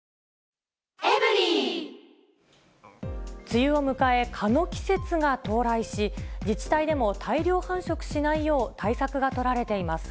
梅雨を迎え、蚊の季節が到来し、自治体でも大量繁殖しないよう、対策が取られています。